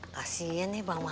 kasian nih bang mardana